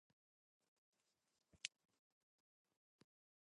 This is why sometimes literal word-for-word translations can sound strange in Russian.